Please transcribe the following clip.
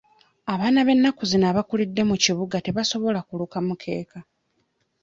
Abaana b'ennaku zino abakulidde mu kibuga tebasobola kuluka mukeeka.